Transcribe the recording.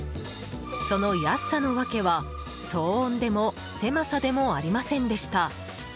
その安さのワケは、騒音でも狭さでもありませんでした。